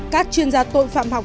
các chuyên gia tội phạm học